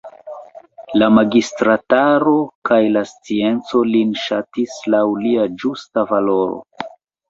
La magistrataro kaj la scienco lin ŝatis laŭ lia ĝusta valoro.